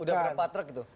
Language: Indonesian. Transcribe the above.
udah berpatrak gitu